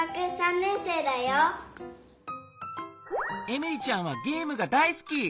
エミリちゃんはゲームが大すき！